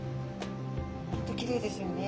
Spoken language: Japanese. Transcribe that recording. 本当きれいですよね。